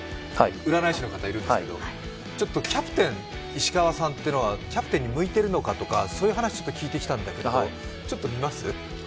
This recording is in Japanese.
占い師の方、いるんですけどキャプテン・石川さんというのはキャプテンに向いているのかという話を聞いてきたんですがあ、見ます。